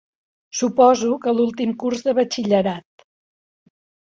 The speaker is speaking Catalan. Suposo que l'últim curs de batxillerat.